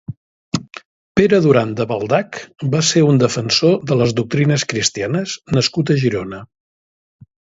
Pere Duran de Baldac va ser un defensor de les doctrines cristianes nascut a Girona.